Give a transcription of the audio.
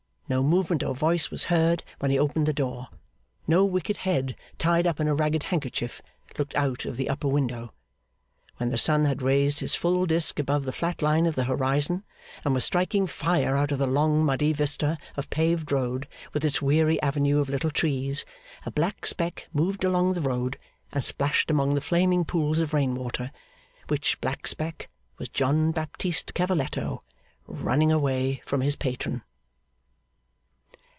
No movement or voice was heard when he opened the door; no wicked head tied up in a ragged handkerchief looked out of the upper window. When the sun had raised his full disc above the flat line of the horizon, and was striking fire out of the long muddy vista of paved road with its weary avenue of little trees, a black speck moved along the road and splashed among the flaming pools of rain water, which black speck was John Baptist Cavalletto running away from his patron.